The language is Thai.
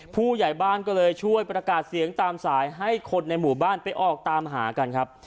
ผู้ใหญ่บ้านก็เลยช่วยประกาศเสียงตามสายให้คนในหมู่บ้านไปออกตามหากันครับ